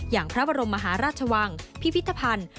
อย่างพระบรมมหาราชวังพิพิธภัณฑ์